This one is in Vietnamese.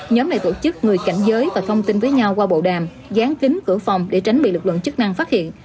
nhóm này tổ chức người cảnh giới và thông tin với nhau qua bộ đàm dán kính cửa phòng để tránh bị lực lượng chức năng phát hiện